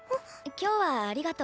今日はありがとう。